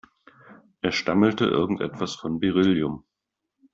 Er stammelte irgendwas von Beryllium.